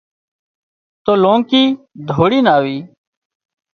تو لونڪِي ڌوڙينَ آوي